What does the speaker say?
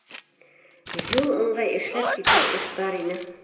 Юл ыңғай эшләп китер эш бар ине.